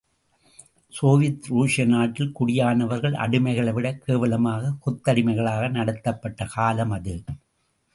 Soviet ருஷிய நாட்டில், குடியானவர்கள் அடிமைகளை விடக் கேவலமாக, கொத்தடிமைகளாக நடத்தப்பட்ட காலம் அது.